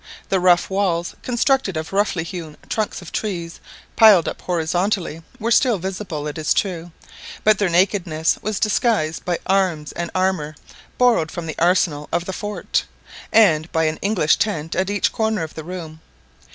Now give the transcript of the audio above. The rough walls, constructed of roughly hewn trunks of trees piled up horizontally, were still visible, it is true, but their nakedness was disguised by arms and armour, borrowed from the arsenal of the fort, and by an English tent at each corner of the room.